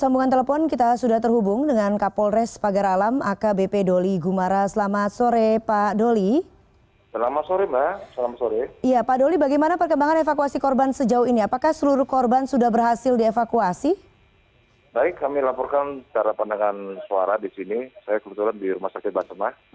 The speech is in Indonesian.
baik kami laporkan secara pandangan suara di sini saya kebetulan di rumah sakit besema